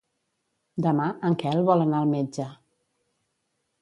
Demà en Quel vol anar al metge.